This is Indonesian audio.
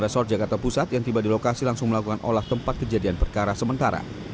resort jakarta pusat yang tiba di lokasi langsung melakukan olah tempat kejadian perkara sementara